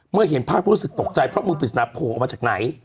เห็นภาพรู้สึกตกใจเพราะมือปริศนาโผล่ออกมาจากไหน